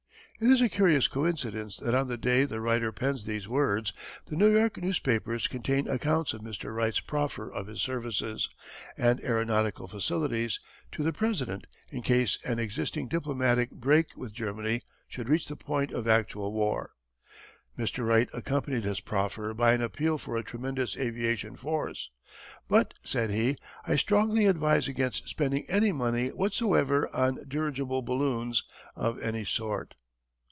It is a curious coincidence that on the day the writer pens these words the New York newspapers contain accounts of Mr. Wright's proffer of his services, and aeronautical facilities, to the President in case an existing diplomatic break with Germany should reach the point of actual war. Mr. Wright accompanied his proffer by an appeal for a tremendous aviation force, "but," said he, "I strongly advise against spending any money whatsoever on dirigible balloons of any sort."